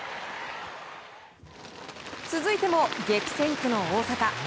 続いても激戦区の大阪。